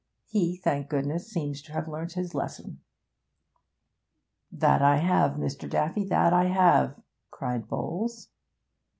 He, thank goodness, seems to have learnt his lesson.' 'That I have, Mr. Daffy; that I have!' cried Bowles.